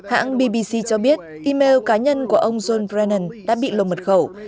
hãng bbc cho biết email cá nhân của ông john brennan đã bị lồn mật khẩu